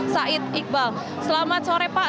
said iqbal selamat sore pak